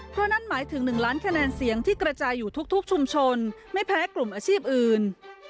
เพราะนั่นหมายถึง๑ล้านคะแนนเสียงที่กระจายอยู่ทุกชุมชนไม่แพ้กลุ่มอาชีพอื่น